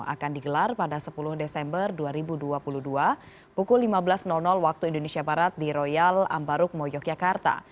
akan digelar pada sepuluh desember dua ribu dua puluh dua pukul lima belas waktu indonesia barat di royal ambarukmo yogyakarta